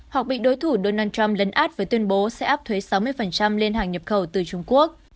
hoặc bị đối thủ donald trump lấn át với tuyên bố sẽ áp thuế sáu mươi lên hàng nhập khẩu từ trung quốc